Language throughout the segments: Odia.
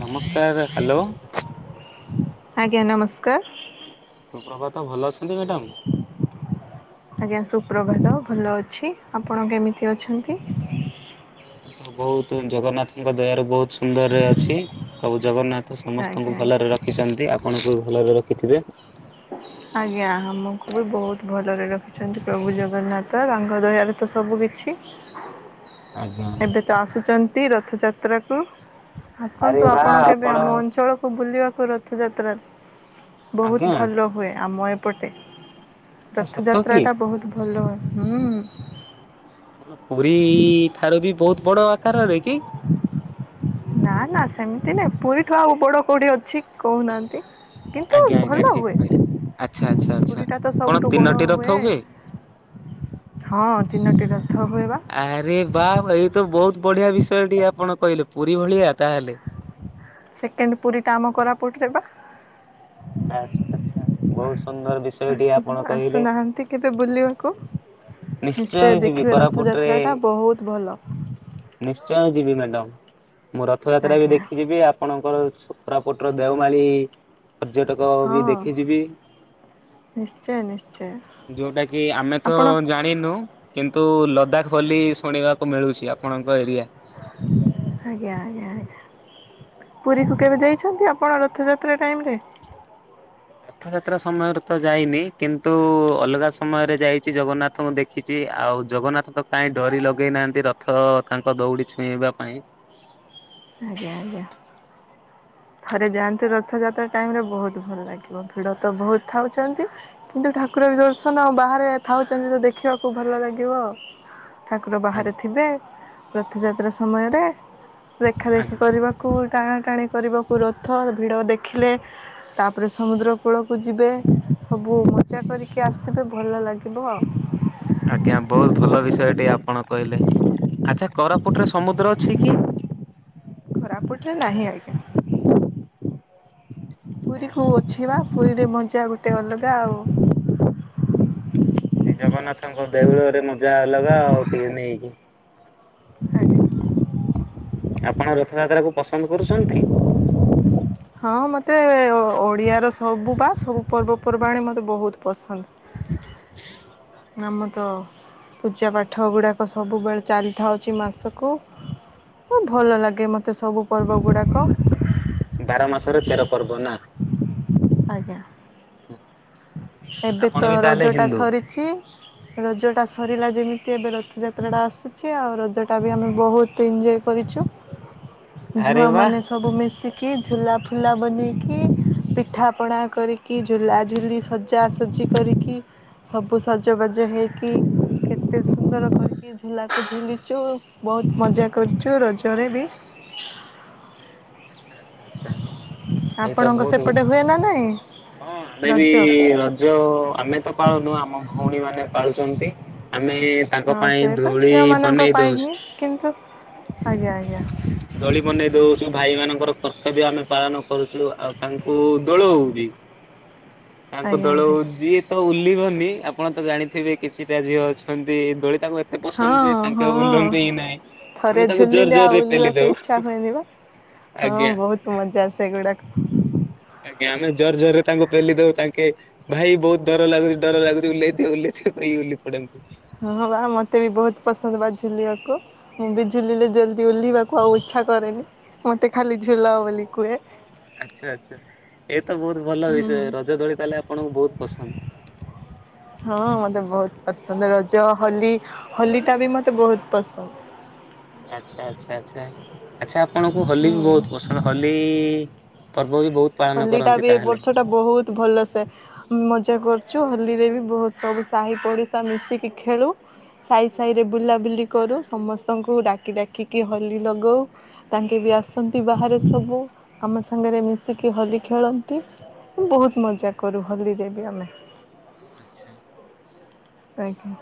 ନମସ୍କାର ହ୍ୟାଲୋ ଆଜ୍ଞା ନମସ୍କାର, ସୁପ୍ରଭାତ, ଭଲ ଅଛନ୍ତି ମ୍ୟାଡ଼ାାମ। ଆଜ୍ଞା ସୁପ୍ରଭାତ, ଭଲ ଅଛି ଆପଣ କେମିତି ଅଛନ୍ତି? ମୁଁ ତ ବହୁତ ଜଗନ୍ନାଥଙ୍କ ଦୟାରୁ ବହୁତ ସୁନ୍ଦର ରେ ଅଛି ସବୁ ଜଗନ୍ନାଥ ତ ଆଜ୍ଞା ସମସ୍ତଙ୍କୁ ଆଜ୍ଞା ଭଲରେ ରଖିଛନ୍ତି ଆପଣଙ୍କୁ ବି ଭଲରେ ରଖିଥିବେ। [unintelligible] ଆଜ୍ଞା, ଆମକୁ ବି ବହୁତ ଭଲରେ ରଖିଛନ୍ତି। ପ୍ରଭୁ ଜଗନ୍ନାଥ ତାଙ୍କ ଦୟାରେ ତ ସବୁ କିିଛି, ଆଜ୍ଞା। ଏବେ ତ ଆସୁଚନ୍ତି ରଥଯାତ୍ରାକୁ, ଆରେ ଆସନ୍ତୁ ବା ଆପଣ କେବେ ଆମ ଅଞ୍ଚଳ ବୁଲିବାକୁ ରଥଯାତ୍ରାରେ, ବହୁତ ଆଜ୍ଞା ଲ ହୁଏ ଆମ ଏପଟେ, ଆଚ୍ଛା ସତ ରଥଯାତ୍ରା କି? ଟା ବହୁତ ଭଲ, ହୁଁ। କଣ ପୁରୀ ଠାରୁ ବି, ବହୁତ ବଡ ଆକାରରେ କି? ନା ନା ସେମିତି ନାଇଁ, ପୁରୀଠୁ ଆଉ ବଡ କୋଉଠି ଅଛି କହୁନାହାନ୍ତି? କିନ୍ତୁ ଆଜ୍ଞା ଆଜ୍ଞା ଭଲ ଠିକ ହୁଏ, କହିଲେ। ଆଚ୍ଛା ଆଚ୍ଛା ଆଚ୍ଛା ପୁରୀ ଟା ତ କଣ ସବୁଠୁ ବଡ ତିନୋଟି ରଥ ହୁଏ। ହଁ, ତିନୋଟି ରଥ ହୁଏବା। ଆରେ ବାଃ, ଏଇତ ବହୁତ ବଢିଆ ବିଷୟ ଟିଏ ଆପଣ କହିଲେ, ପୁରୀ ଭଳିଆ ତାହେଲେ। ସେକେଣ୍ଡ ପୁରୀଟା ଆମ କୋରାପୁଟରେ ପା। ଆଛା ଆଛା, ବହୁତ ସୁନ୍ଦର ବିଷୟ। ଆସୁ ଆସୁନାହାନ୍ତି, କେବେ ବୁଲିବାକୁ? ନିଶ୍ଚୟ ଯିବି ଦେଖିବେ କୋରାପୁଟରେ ରଥଯାତ୍ରାଟା, ବହୁତ ଭଲ। ନିଶ୍ଚୟ ଯିବି ମ୍ୟାଡ଼ାମ, ମୁଁ ରଥଯାତ୍ରା ବି ଆଜ୍ଞା ଦେଖିଯିବି ଆ ଆପଣଙ୍କର କୋରାପୁଟର ଦେଓମାଳି ପର୍ଯ୍ୟଟକ ହଁ ବି ଦେଖିଯିବି। ନିଶ୍ଚୟ ନିଶ୍ଚୟ ଯୋଉଟା କି ଆମେ ତ ଆପଣ ଜାଣିନୁ, କିନ୍ତୁ ଲଦାଖ ବୋଲି ଶୁଣିବାକୁ ମିଳୁଚି ଆପଣଙ୍କ ଏରିଆ। ଆଜ୍ଞା ଆଜ୍ଞା ଆଜ୍ଞା। ପୁରୀକୁ କେବେ ଯାଇଛନ୍ତି ଆପଣ ରଥଯାତ୍ରା ଟାଇମ୍ ରେ? ରଥଯାତ୍ରା ସମୟରେ ତ ଯାଇନି କିନ୍ତୁ ଅଲଗା ସମୟରେ ଯାଇଚି, ଜଗନ୍ନାଥଙ୍କୁ ଦେଖ ଦେଖିଚି, ଆଉ ଜଗନ୍ନାଥ ତ କାଇଁ ଡରି ଲଗେଇ ନାହାନ୍ତି, ରଥ ତାଙ୍କ ଦୌଡି ଛୁଇଁବା ପାଇଁ। ଆଜ୍ଞା ଆଜ୍ଞା। ଥରେ ଯାଆନ୍ତୁ ରଥଯାତ୍ରା ଟାଇମ୍ ରେ, ବହୁତ ଭଲ ଲାଗିବ, ଭିଡ଼ ତ ବହୁତ ଥାଉଚନ୍ତି। କିନ୍ତୁ ଠାକୁର ବି ଦର୍ଶନ, ଆଉ ବାହାରେ ଥାଉଛନ୍ତି, ତ ଦେଖିବାକୁ ଭଲ ଲାଗିବ। ଠାକୁର ବାହାରେ ଆଜ୍ଞା ଥିବେ, ରଥଯାତ୍ରା ସମୟରେ, ଦେଖାଦେଖି ଆଜ୍ଞା କରିବ। କୁ ଟାଣା ଟାଣି କରିବାକୁ ରଥ, ଭିଡ଼ ଦେଖିଲେ ତାପରେ ସମୁଦ୍ର କୂଳକୁ ଯିବେ, ସବୁ ମଜା କରିକି ଆସିବେ, ଭଲ ଲାଗିବ ଆଉ। ଆଜ୍ଞା, ବହୁତ ଭଲ ବିଷୟ ଟିଏ ଆପଣ କହିଲେ, ଆଛା କୋରାପୁଟରେ ସମୁଦ୍ର ଅଛି କି? କୋରାପୁଟ ରେ ନାହିଁ ଆଜ୍ଞା, ପୁରୀକୁ ଅଛିବା? ପୁରୀରେ ମଜା ଗୋଟେ ଅଲଗା ଆଉ। ସେ ଜଗନ୍ନାଥଙ୍କ ଦେଉଳରେ ମଜା ଅଲଗା, ଆଉ କି ନେଇକି। ଆଜ୍ଞା ଆପଣ ରଥଯାତ୍ରା କୁ ପସନ୍ଦ କରୁଚନ୍ତି? ହଁ ମୋତେ ଓଡ଼ିଆର ସବୁ ପା, ସବୁ ପର୍ବପର୍ବାଣି ମୋତେ ବହୁତ ପସନ୍ଦ। [unintelligible] ବର୍ଷା। ଆମ ତ ପୂଜା ପାଠ ଗୁଡ଼ାକ ସବୁବେଳେ ଚାଲିଥାଉଚି ମାସକୁ। ବି ଭଲ ଲାଗେ ମତେ ସବୁ ପର୍ବ ଗୁଡାକ। ବାର ମାସରେ ତେର ପର୍ବ ନା? ଆଜ୍ଞା। ଏବେ ଆପଣ ତ ବି ତାହେଲେ ରଜ ଟା ହିନ୍ଦୁ ସରିଚି। ରଜ ଟା ସରିଲା ଯେମିତି, ଏବେ ରଥଯାତ୍ରା ଟା ଆସୁଛି ଆଉ, ରଜ ଟା ବି ଆମେ ବହୁତ ଏଞ୍ଜୟ କରିଚୁ। [inaudible] ଝୁଆ ବା ମାନେ ସ ସବୁ ମିଶିକି, ଝୁଲା ଫୁଲା ବନେଇକି, ପିଠା ପଣା କରିକି, ଝୁଲା ଝୁଲି ସଜା ଆସଜି କରିକି, ସବୁ ସଜବାଜ ହେଇକି କେତେ ସୁନ୍ଦର କରିକି ଝୁଲାକୁ ଝୁଲିଚୁ। ବହୁତ୍ ମଜା କରୁଚୁ ରଜରେ ବି। ଆଚ୍ଛା-ଆଚ୍ଛା-ଆଚ୍ଛା। ଆପଣଙ୍କ ସେପଟେ ହୁଏ ନା ନାଇଁ ରଜ? ରଜ ଆମେ ତ ପାଳୁନୁ ଆମ ଭଉଣୀ ମାନେ ପାଳୁଚନ୍ତି, ଆମେ ତାଙ୍କ ହଁ ପାଇଁ ସେ ତ ଦୁଳି ଝିଅମାନଙ୍କ ବନେଇ ପାଇଁ ଦଉଚୁ। ହିଁ କିନ୍ତୁ ଆଜ୍ଞା ଆଜ୍ଞା। ଦୋଳି ବନେଇଦଉ। ଯୋଉ ଭାଇ ମାନଙ୍କର କର୍ତ୍ତବ୍ୟ ଆମେ ପାଳନ କରୁଚୁ ଆଉ ତାଙ୍କୁ ଦୋଳଉ ବି। ତାଙ୍କ ଆଜ୍ଞା ଦଳ ଆଜ୍ଞା ହଉ ଯି ତ ଉଲ୍ଲିବନି ଆପଣ ତ ଜାଣିଥିବେ କିଛିଟା ଝିଅ ଅଛନ୍ତି ଏ ଦୋଳିଟାକୁ ହଁ-ହଁ ଥରେ ଆମେ ତାଙ୍କୁ ଜୋର ଝୁଲିଲେ ଆଉ ଜୋରରେ ପେଲି ଉଲିବାକୁ ଦଉ ଇଚ୍ଛା ହୁଏନ ବା। ହଁ ଆଜ୍ଞା। ବହୁତ୍ ମଜା ସେଗୁଡ଼ାକ। ଆଜ୍ଞା, ଆମେ ଜୋର-ଜୋର ରେ ତାଙ୍କୁ ପେଲିଦଉ ତାଙ୍କେ ଭାଇ ବହୁତ୍ ଡର ଲାଗୁଚି ଡର ଲାଗୁଚି ଓଲ୍ହେଇ ଦିଅ ଓଲ୍ହେଇ ଦିଅ କହିକି ଓଲ୍ହେଇ ପଡନ୍ତି। ହଁ ବା ମତେ ବି ବହୁତ୍ ପସନ୍ଦ ବା ଝୁଲିବାକୁ। ମୁଁ ବି ଝୁଲିଲେ ଜଲ୍ଦି ଓହ୍ଲିବାକୁ ଆଉ ଇଚ୍ଛା କରେନି, ମତେ ଖାଲି ଝୁଲାଅ ବୋଲି କୁହେ। ଆଚ୍ଛା-ଆଚ୍ଛା ଏଇତ ବହୁତ୍ ଭଲ ହୁଁ ବିଷୟ ରଜ ଦୋଳି ତାହଲେ ଆପଣଙ୍କୁ ବହୁତ୍ ପସନ୍ଦ। ହଁ ମତେ ବହୁତ୍ ପସନ୍ଦ ରଜ ହୋଲି ହୋଲିଟା ବି ମତେ ବହୁତ୍ ପସନ୍ଦ। ଆଚ୍ଛା-ଆଛା-ଆଚ୍ଛା, ଆଚ୍ଛା ଆପଣଙ୍କୁ ହୋଲି ବି ହୁଁ। ବହୁତ୍ ପସନ୍ଦ ହୋଲି ପର୍ବ ବି ପାଳନ ହୋଲି ଟା କରନ୍ତି ବି ଏ ତାହେଲେ। ବର୍ଷ ଟା ବହୁତ୍ ଭଲସେ ମଜା କରୁଚୁ ହୋଲିରେ ବି ବହୁତ୍ ସବୁ ସାହି ପଡିଶା ମିଶିକି ଖେଳୁ। ସାହି ସାହିରେ ବୁଲାବୁଲି କରୁ, ସମସ୍ତଙ୍କୁ ଡାକି ଡାକିକି ହୋଲି ଲଗଉ। ତାଙ୍କେ ବି ଆସନ୍ତି ବାହାରେ ସବୁ ଆମ ସାଙ୍ଗେରେ ଆସିକି ହୋଲି ଖେଳନ୍ତି, ବହୁତ୍ ମଜା କରୁ ହୋଲିରେ ବି ଆମେ। ଆଚ୍ଛା। ଆଜ୍ଞା।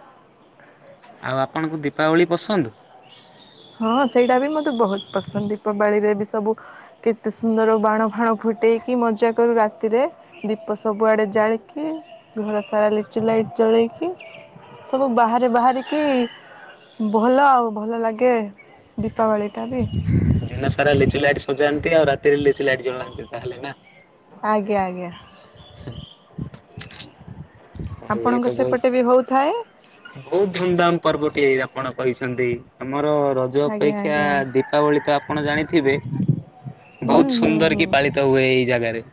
ଆଉ ଆପଣଙ୍କୁ ଦୀପାବଳି ପସନ୍ଦ? ହଁ ସେଇଟା ବି ମତେ ବହୁତ୍ ପସନ୍ଦ, ଦୀପାବଳିରେ ବି ସବୁ କେତେ ସୁନ୍ଦର ବାଣ ଫାଣ ଫୁଟାଇକି ମଜା କରୁ ରାତିରେ। ଦୀପ ସବୁଆଡ଼େ ଜାଳିକି ଘର ସାରା ଲିଚୁ ଲାଇଟ୍ ଜଳେଇକି ସବୁ ବାହାରେ ବାହାରିକି ଭଲ ଆଉ ଭଲ ଲା ଗେ ଦୀପାବଳିଟା ବି ଦିନ ସାରା ଲିଚୁ ଲାଟିି ସଜାନ୍ତି, ଆଉ ରାତିରେ ଲିଚୁ ଲାଇଟ ଜଳାନ୍ତି ତାହେଲେ ନା। ଆଜ୍ଞା-ଆଜ୍ଞା। ସେ ତାହେଲେ ଏ ଆପଣଙ୍କ ତ ସେପଟେ [unintelligible] ବି ହଉଥାଏ ବହୁତ୍ ଧୁମଧାମ୍ ପର୍ବଟିଏ ଆପଣ କହିଛନ୍ତି ଆମର ଆଜ୍ଞା ଅପେକ୍ଷା ଆଜ୍ଞା ଦୀପାବଳି ତ ଆପଣ ଜାଣିଥିବେ, ହୁଁ ବହୁତ୍ ହୁଁ ସୁନ୍ଦର୍ ହୁଁ କି ପା ତ ହୁଏ ଏଇ ଜାଗାରେ।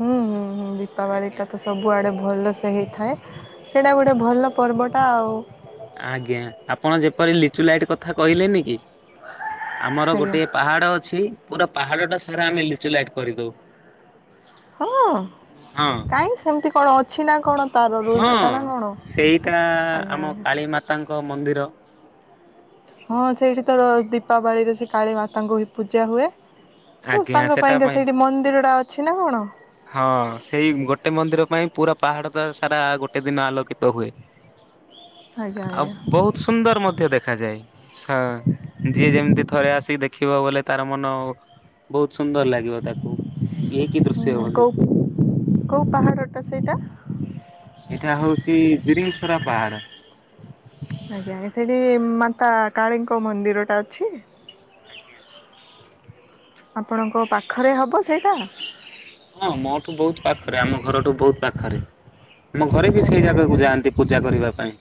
ହୁଁ-ହୁଁ-ହୁଁ ଦୀପାବଳି ଆଜ୍ଞା। ଟା ତ ସବୁଆଡେ ଭଲସେ ହେଇଥାଏ। ସେଇଟା ଗୋଟେ ଭଲ ପର୍ବଟା ଆଉ। ଆଜ୍ଞା ଆପଣ ଯେପରି ଲିଚୁ ଲାଇଟ୍ କଥା କହିଲେନି କି, ଆମର ଆଜ୍ଞା ଗୋଟେ ପାହାଡ ଅଛି ପୁରା ପାହାଡଟା ସାରା ଆମେ ଲିଚୁ ଲାଇଟ୍ କରିଦଉ। ହଁ ହଁ କାଇଁ ସେମ୍ତି କଣ ଅଛି ନା କଣ ତାର ରୁଲସ୍ ଟା ନା କଣ। ଏଇଟା ଆଜ୍ଞା ଆମ ଆଜ୍ଞା କାଳିୀମାତାଙ୍କ ମନ୍ଦିର। ହଁ ସେଇଠି ତୋର ଦୀପାବଳିରେ ସେ କାଳୀ ମାତାଙ୍କୁ ହି ପୂଜା ହୁଏ। [unintelligible] ଆଜ୍ଞା ତାଙ୍କ ସେଟା ପାଇଁକା ପାଇଁ ସେଇଠି ମନ୍ଦିରଟା ଅଛି ନା କଣ? ହଁ ସେଇ ଗୋଟେ ମନ୍ଦିର ପାଇଁ ପୁରା ପାହାଡଟା ସାରା ଗୋଟେ ଦିନ ଆଲୋକିତ ହୁଏ। ଆଜ୍ଞା ଆଉ ଆଜ୍ଞା ବୋହୁତ ସୁନ୍ଦର ମଧ୍ୟ ଦେଖାଯାଏ। ସା ଯିଏ ଯେମିତି ଥରେ ଆସିକି ଦେଖିବ ବୋଲେ ତାର ମନ ବୋହୁତ ସୁନ୍ଦର ଲାଗିବ ତାକୁ ଇଏ କି ଦୃଶ୍ୟ ହୁଁ ବୋଲି କୋଉ କୋଉ ପାହାଡଟା ସେଇଟା? ଏଟା ହୋଉଚି ଜିରିଙ୍ଗସରା ପାହାଡ। ଆଜ୍ଞା ସେଠି ମାତା କାଳୀଙ୍କ ମନ୍ଦିରଟା ଅଛି। ଆଜ୍ଞା। ଆପଣଙ୍କ ପାଖରେ ହେବ ସେଇଟା। ହଁ ମୋଠୁ ବୋହୁତ ପାଖରେ ଆମ ଘରଠୁ ବୋହୁତ ପାଖରେ। ଆମ ଘରେ ବି ଆଜ୍ଞା ସେଇ ଆଜ୍ଞା। ଜାଗାକୁ ଯାଆନ୍ତି ପୂଜା କରିବା ପାଇଁ।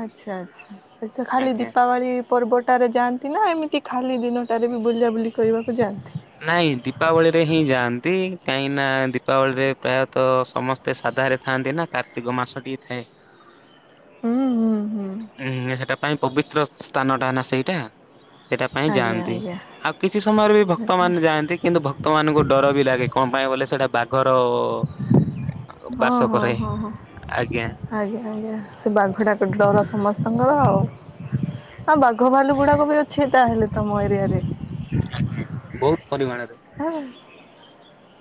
ଆଚ୍ଛା ଆଚ୍ଛା ସେଠିତ ଖାଲି ଆଜ୍ଞା। ଦୀପାବଳି ପର୍ବଟାରେ ଯାଆନ୍ତି ନା ଏମିତି ଖାଲି ଦିନଟାରେ ବି ବୁଲା ବୁଲି କରିବାକୁ ଯାଆନ୍ତି? ନାଇଁ ଦୀପାବଳିରେ ହିଁ ଯାଆନ୍ତି କାହିଁକି ନା ଦୀପାବଳିରେ ପ୍ରାୟତଃ ସମ ଏତେ ସାଧାରେ ଥାଆନ୍ତି ନା କାର୍ତ୍ତିକ ମାସଟିଏ ଥାଏ। ହୁଁ ହୁଁ ହୁଁ। ଉଁ ହୁଁ ସେଟା ପାଇଁ ପବିତ୍ର ସ୍ଥାନଟା ନା ସେଇଟା। ସେଟା ପାଇଁ ଆଜ୍ଞା ଯାଆନ୍ତି ଆଜ୍ଞା ଆଉ କିଛି ସମୟରେ ବି ଭକ୍ତ ମାନେ ଯାଆନ୍ତି। କିନ୍ତୁ ଭକ୍ତମାନାନଙ୍କୁ ଡର ବି ଲାଗେ କଣ ପାଇଁ କହିଲେ ସେଟା ବାଘର ହଁ ବାସ ହଁ କରେ ହଁ ହଁ ଆଜ୍ଞା ଆଜ୍ଞା ଆଜ୍ଞା। ସେ ବାଘଟା କ ଡର ସମସ୍ତଙ୍କର ଆଉ। ଆଁ ବାଘ ଭାଲୁ ଗୁଡାକ ବି ଅଛି ତାହେଲେ ତମ ଏରିଆରେ। ଆଜ୍ଞା ବୋହୁତ ପରିମାଣରେ। ହଁ।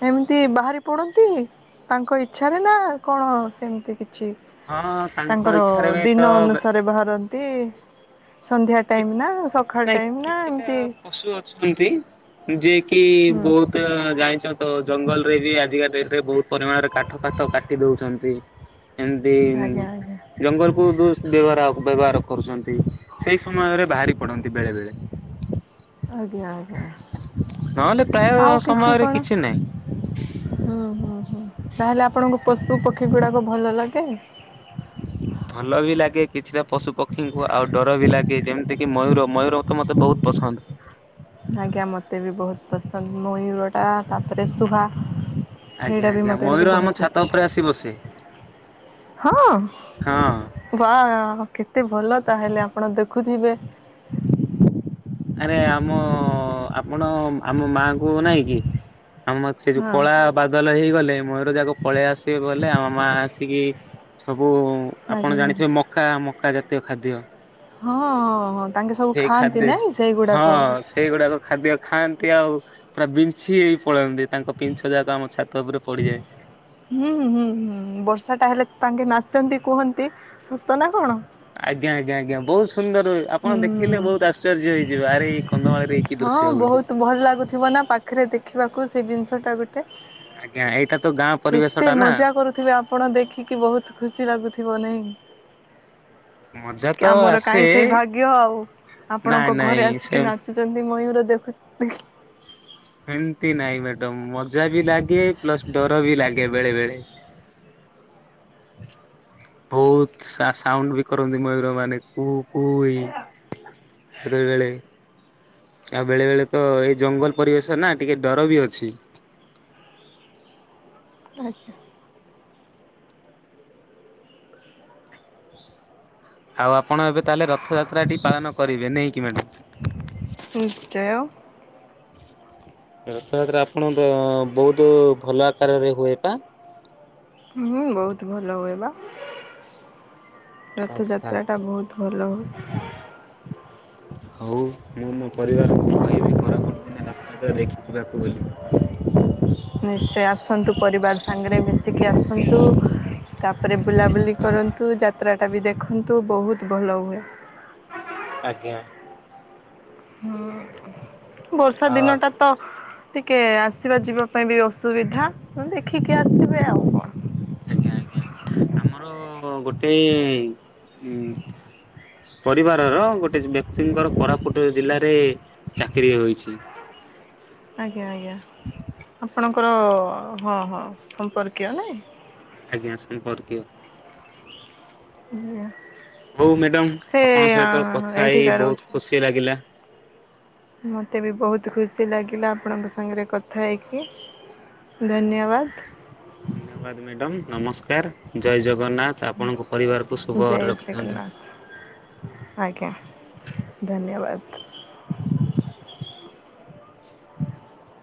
ଏମିତି ବାହାରି ପଡନ୍ତି ତାଙ୍କ ଇଚ୍ଛାରେ ନା କଣ ସେମିତି କିଛି ହଁ ତାଙ୍କ ତାଙ୍କର ଇଚ୍ଛାରେ ବି ଦିନ ତ ଅନୁସାରେ ବାହାରନ୍ତି। ସନ୍ଧ୍ୟା ଟାଇମ୍ ନା ସକାଳ ନାଇଁ ଟାଇମ୍ ନା କିଛିଟା ଏମିତି ପଶୁ ଅଛନ୍ତି ଯିଏ କି ହୁଁ ବୋହୁ ତ ଜାଣିଚ ତ ଜଙ୍ଗଲରେ ବି ଆଜିକା ଡେଟରେ ବୋହୁତ ପରିମାଣରେ କାଠ ଫାଠ କାଟି ଦୋଉଚନ୍ତି। [inaudible] ଏମିତି ଆଜ୍ଞା ଆଜ୍ଞା ଜଙ୍ଗଲକୁ ଦୁସ୍ ବ୍ୟବହାର ଅପ ବ୍ୟବହାର କରୁଚନ୍ତି। ସେଇ ସମୟରେ ବାହାରି ପଡନ୍ତି ବେଳେ ବେଳେ। ଆଜ୍ଞା ନହେଲେ ପ୍ରାୟ ଆଜ୍ଞା ଆଉ କିଛି ସମୟରେ କଣ ନାହିଁ ହୁଁ ହୁଁ ହୁଁ ତାହେଲେ ଆପଣଙ୍କୁ ପଶୁ ପକ୍ଷୀ ଗୁଡାକ ଭଲ ଲାଗେ। [inaudible] ଭଲ ବି ଲାଗେ କିଛିଟା ପଶୁ ପକ୍ଷୀଙ୍କୁ ଆଉ ଡର ବି ଲାଗେ। ଯେମିତିକ ମୟୂର ମୟୂର ତ ମତେ ବୋହୁତ ପସନ୍ଦ। ଆଜ୍ଞା ମୋତେ ବି ବୋହୁତ ପସନ୍ଦ ମୟୂରଟା ତାପରେ ସୁହା ଆଜ୍ଞା ସେଇଟା ବି ଆଜ୍ଞା ମତେ ଟିକେ ମୟୂର ଆମ ବୋହୁତ ଛାତ ଉପରେ ଆସି ବସେ ଇଚ୍ଛା ହଁ। ହଁ ବାଓ କେତେ ଭଲ ତାହେଲେ ଆପଣ ଦେଖୁଥିବେ। ଆରେ ଆମ ଆପଣ ଆମ ମାଙ୍କୁ ନାଇଁ କି ଆମର ସେ ଯୋଉ ହଁ କଳା ବାଦଲ ହେଇଗଲେ। ମୟୂର ଯାକ ପଳେଇ ଆସିବେ ବୋଲେ ଆମ ମା ଆସିକି ସବୁ ଆପଣ ଆଜ୍ଞା ଆଜ୍ଞା ଜାଣିଥିବେ ମକା, ମକା ଜାତୀୟ ଖାଦ୍ୟ। ହଁ ହଁ ତାଙ୍କେ ସବୁ ସେଇ ଖାଆନ୍ତି ଖାଦ୍ୟ ନାଇଁ। ହଁ ସେଇଗୁଡାକ ସେଇଗୁଡାକ ଖାଦ୍ୟ ଖାଆନ୍ତି ଆଉ ପୁରା ବିଞ୍ଛି ହେଇ ପଳାନ୍ତି ତାଙ୍କ ପିଞ୍ଛ ଯାକ ଆମ ଛାତ ଉପରେ ପଡିଯାଏ। ହୁଁ ହୁଁ ହୁଁ ବର୍ଷା ଟା ହେଲେ ତାଙ୍କେ ନାଚନ୍ତି କୁହନ୍ତି ସତ ନା କଣ? ଆଜ୍ଞା ଆଜ୍ଞା ଆଜ୍ଞା ବହୁତ ସୁନ୍ଦର ଏ ଆପଣ ହୁଁ ଦେଖିଲେ ବହୁତ ଆଶ୍ଚର୍ଯ୍ୟ ହେଇଯିବେ ଆରେ ଏ ହଁ ବହୁତ ଭଲ ଲାଗୁଥିବ ନା ପାଖେରେ ଦେଖିବାକୁ ସେଇ ଜିନିଷ ଟା ଗୋଟେ। ଆଜ୍ଞା ଏଇଟା ତ ଗାଁ ପରିବେଶ କେତେ ଟା ନା ମଜା କରୁଥିବେ ଆପଣ ଦେଖିକି ବହୁତ ଖୁସି ଲାଗୁଥିବ ନାଇଁ? ମଜା ତ କି ଆମର କାହିଁ ଆସେ ସେଇ ଭାଗ୍ୟ ଆଉ ନାଇଁ ଆପଣଙ୍କ ନାଇଁ ଘରେ ଆସିକି ସେ ନାଚ ଛନ୍ତି ମୟୂର ଦେଖୁ ନ୍ତିକି ହେମତି ନାଇଁ ମ୍ୟାଡାମ ମଜା ବି ଲାଗେ ପ୍ଲସ ଡର ବି ଲାଗେ ବେଳେ ବେଳେ। [inaudible] ବହୁତ ସା ସାଉଣ୍ଡ୍ ବି କରନ୍ତି ମୟୂର ମାନେ କୁ କୁ ଏଇ ବେଳେବେଳେ। ଆଉ ବେଳେ ବେଳେ ତ ଏଇ ଜଙ୍ଗଲ ପରିବେଶ ନା ଟିକେ ଡର ବି ଅଛି। ଆଜ୍ଞା। ଆଉ ଆପଣ ଏବେ ତାହେଲେ ରଥଯାତ୍ରାଟି ପାଳନ କରିବେ ନେଇକି ମ୍ୟାଡ଼ମ୍। ନିଶ୍ଚୟ। ରଥଯାତ୍ରା ଆପଣଙ୍କ ବହୁତ ଭଲ ଆକାରରେ ହୁଏ ପା? ହୁଁ ବହୁତ ଭଲ ହୁଏବା। ଆଚ୍ଛା। ରଥଯାତ୍ରାଟା ବହୁତ ଭଲ ହୁଏ। ହଉ ମୁଁ ମୋ ପରିବାରକୁ କହିବି ଖରପୋଟ ଦିନେ ରଥଯାତ୍ରା ଦେଖିଯିବାକୁ ବୋଲି। ନିଶ୍ଚୟ ଆସନ୍ତୁ ପରିବାର ସାଙ୍ଗରେ ମିଶିକି ଆସନ୍ତୁ ତାପରେ ବୁଲାବୁଲି କରନ୍ତୁ ଯାତ୍ରା ଟା ବି ଦେଖନ୍ତୁ ବହୁତ ଭଲ ହୁଏ। ଆଜ୍ଞା। ହୁଁ ବର୍ଷା ଆଉ ଦିନଟା ତ। ଟିକେ ଆସିବା ଯିବା ପାଇଁ ବି ଅସୁବିଧା ଉଁ ଦେଖିକି ଆସିବେ ଆଉ କଣ। ଆଜ୍ଞା ଆଜ୍ଞା ଆମର ଗୋଟେ ଉଁ ପରିବାରର ଗୋଟେ ଯ ବ୍ୟକ୍ତିଙ୍କର କୋରାପୁଟ ଜିଲ୍ଲାରେ ଚାକିରି ହୋଇଛି। ଆଜ୍ଞା ଆଜ୍ଞା ଆପଣଙ୍କର ହଁ ହଁ ସମ୍ପର୍କୀୟ ନାଇଁ? ଆଜ୍ଞା ସମ୍ପର୍କୀୟ। [unintelligible] ହଉ ସେ ମ୍ୟାଡ଼ାମ ଆପଣଙ୍କ ସହିତ କଥା ହେଇ ଏଇଠିକା ରହୁଛି। ବହୁତ ଖୁସି ଲାଗିଲା। ମୋତେ ବି ବହୁତ ଖୁସି ଲାଗିଲା ଆପଣଙ୍କ ସାଙ୍ଗରେ କଥା ହେଇକି। ଧନ୍ୟବାଦ। ଧନ୍ୟବାଦ ମ୍ୟାଡ଼ମ୍ ନମସ୍କାର ଜୟ ଜଗନ୍ନାଥ ଆପଣଙ୍କ ପରିବାରକୁ ଜୟ ଶୁଭରେ ରଖିଥାନ୍ତୁ। ଜଗନ୍ନାଥ ଆଜ୍ଞା ଧନ୍ୟବାଦ।